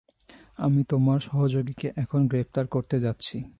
আমি তোমার সহযোগীকে এখন গ্রেপ্তার করতে যাচ্ছি।